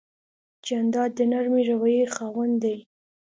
جانداد د نرمې روحیې خاوند دی.